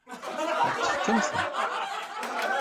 Ad ɣ-t-tefkemt?